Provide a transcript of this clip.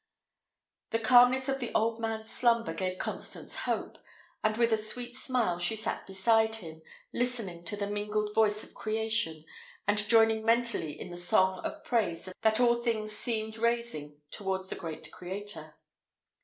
The calmness of the old man's slumber gave Constance hope; and with a sweet smile she sat beside him, listening to the mingled voice of creation, and joining mentally in the song of praise that all things seemed raising towards the great Creator.